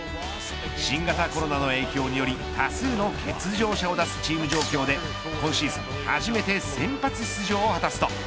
新型コロナの影響により多数の欠場者を出すチーム状況で今シーズン初めて先発出場を果たすと。